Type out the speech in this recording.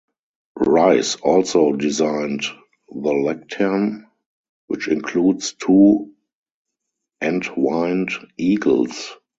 Rice also designed the lectern, which includes two entwined eagles.